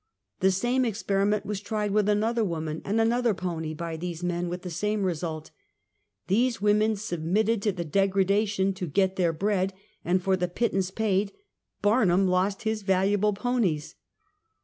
The same experiment was tried with another woman and another pony by, these men, with the same result. These women submitted to the degradation to get their bread, and for the pittance paid, Barnum lost his valuable ponies.